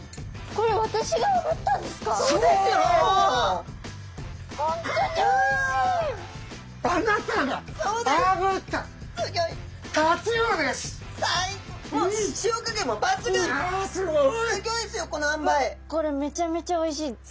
これめちゃめちゃおいしい。